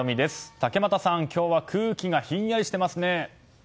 竹俣さん、今日は空気がひんやりしていますね。